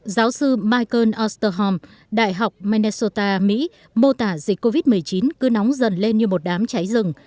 giáo sư michael austohom đại học menesota mỹ mô tả dịch covid một mươi chín cứ nóng dần lên như một đám cháy rừng